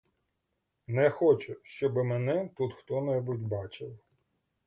Не хочу, щоби мене тут хто-небудь бачив.